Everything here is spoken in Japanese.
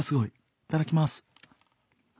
いただきます。